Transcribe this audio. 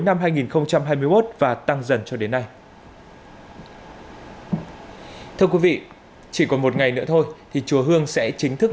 năm hai nghìn hai mươi một và tăng dần cho đến nay thưa quý vị chỉ còn một ngày nữa thôi thì chùa hương sẽ chính thức